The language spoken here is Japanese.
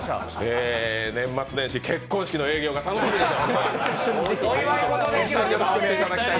年末年始、結婚式の営業が楽しみです。